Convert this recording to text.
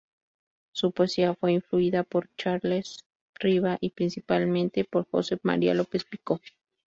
Su poesía fue influida por Carles Riba y principalmente por Josep Maria López-Picó.